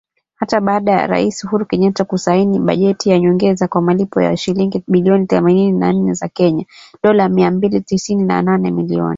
Hata baada ya Rais Uhuru Kenyatta kusaini bajeti ya nyongeza kwa malipo ya shilingi bilioni thelathini na nne za Kenya (dola mia mbili tisini na nane, milioni).